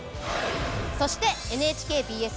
そしてＮＨＫＢＳ